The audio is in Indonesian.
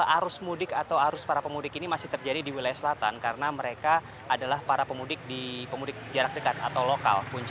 arus mudik atau arus para pemudik ini masih terjadi di wilayah selatan karena mereka adalah para pemudik di pemudik jarak dekat atau lokal punca